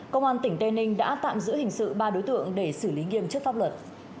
công an tỉnh tây ninh đã tạm giữ hình sự ba đối tượng để xử lý nghiêm chức pháp luật